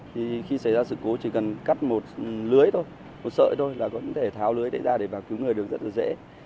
thì khi xảy ra sự cố chỉ cần cắt một lưới thôi một sợi thôi là vẫn thể tháo lưới đấy ra để mà cứu người đường rất là dễ